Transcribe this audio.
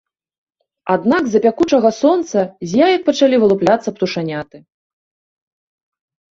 Аднак з-за пякучага сонца з яек пачалі вылупляцца птушаняты.